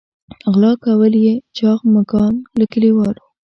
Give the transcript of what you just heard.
غلا کول یې چاغ مږان له کلیوالو.